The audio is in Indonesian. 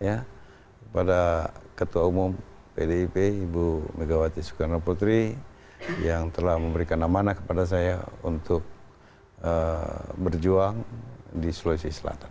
ya kepada ketua umum pdip ibu megawati soekarno putri yang telah memberikan amanah kepada saya untuk berjuang di sulawesi selatan